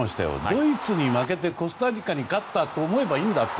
ドイツに負けてコスタリカに勝ったと思えばいいんだと。